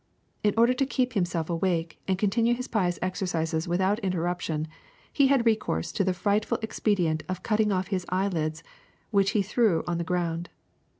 In order to keep himself awake and continue his pious exercises without inter ruption, he had recourse to the frightful expedient of cutting off his eyelids, which he threw on the ground.